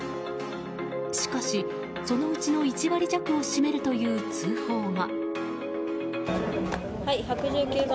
しかし、そのうちの１割弱を占めるという通報が。